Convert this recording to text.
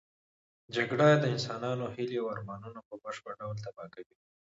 جګړه د انسانانو هیلې او ارمانونه په بشپړ ډول تباه کوي.